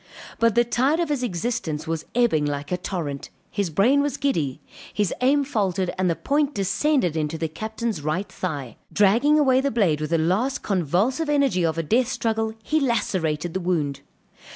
But the tide of his existence was ebbing like a torrent, his brain was giddy, his aim faltered and the point descended in the Captain's right thigh; dragging away the blade with the last convulsive energy of a death struggle, he lacerated the wound.